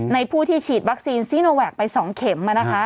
ในผู้ที่ฉีดวัคซีนโวแกร์ไป๒เข็ม